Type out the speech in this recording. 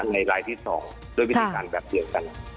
ในรายที่๒ด้วยวิธีการแบบเดียวกัน